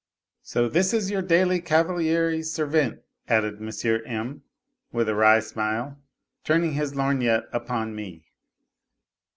" So this is your daily cavaliere servente," added M. M., with wry smile, turning his lorgnette upon me.